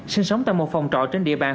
sinh sống tại một phòng trọ trên địa bàn